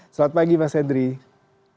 selamat pagi mas hendry